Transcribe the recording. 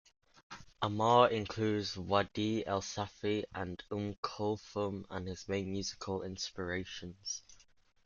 Ammar includes Wadih El Safi & Umm Kulthum as his main musical inspirations.